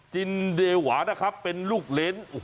จินเดหวานะครับเป็นลูกเล้น